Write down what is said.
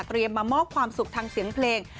มามอบความสุขทางเสียงเพลง